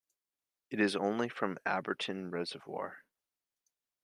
It is only from Abberton Reservoir.